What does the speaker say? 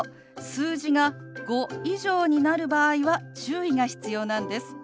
数字が５以上になる場合は注意が必要なんです。